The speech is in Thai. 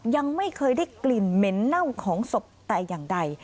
ยังไม่เคยได้กลิ่นเหม็นเน่าของศพแต่อย่างใด